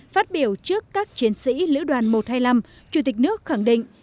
phát biểu trước các chiến sĩ lữ đoàn một trăm hai mươi năm chủ tịch nước khẳng định